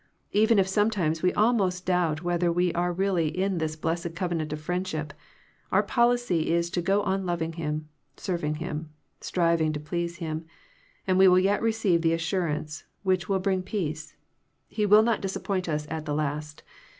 Even if sometimes we almost doubt whether we are really in this blessed cov enant of friendship, our policy is to go on loving Him, serving Him, striving to please Him ; and we will yet receive the assurance, which will bring peace; He will not disappoint us at the last.